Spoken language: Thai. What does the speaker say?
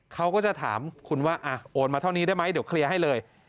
เขาก็จะถามคุณว่าโอนมาเท่านี้ได้ไหมเดี๋ยวเคลียร์ให้เลย